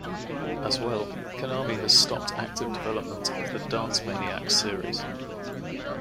As well, Konami has stopped active development of the Dance Maniax series.